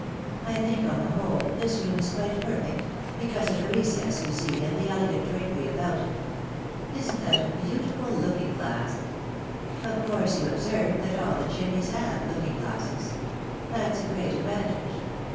" I think on the whole this room is quite per fect — ^because of the recess, you see, and the elegant drapery about it. Isn't that a beautiful looking glass ? Of course you observe that aU the chimneys have looMng glasses. That's a great advantage.